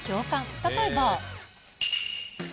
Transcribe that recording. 例えば。